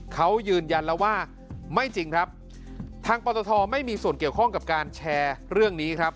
เขายืนยันแล้วว่าไม่จริงครับทางปตทไม่มีส่วนเกี่ยวข้องกับการแชร์เรื่องนี้ครับ